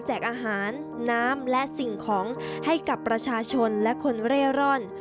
อาหารน้ำและสิ่งของให้กับประชาชนและคนเร่ร่อน